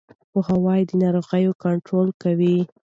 پوهاوی د ناروغۍ کنټرول کوي.